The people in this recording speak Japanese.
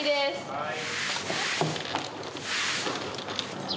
はい。